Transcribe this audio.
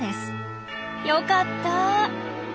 よかった！